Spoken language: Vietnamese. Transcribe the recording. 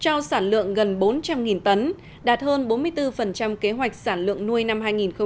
trao sản lượng gần bốn trăm linh tấn đạt hơn bốn mươi bốn kế hoạch sản lượng nuôi năm hai nghìn một mươi bảy